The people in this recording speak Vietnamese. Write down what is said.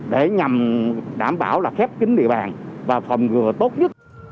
để nhằm đảm bảo là khép kín địa bàn và phòng ngừa tốt nhất